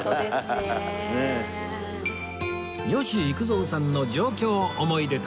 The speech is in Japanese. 吉幾三さんの上京思い出旅